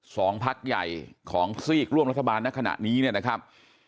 สองพักใหญ่ของซีกร่วมรัฐบาลในขณะนี้เนี่ยนะครับ